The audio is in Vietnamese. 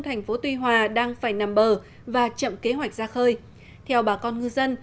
thành phố tuy hòa đang phải nằm bờ và chậm kế hoạch ra khơi theo bà con ngư dân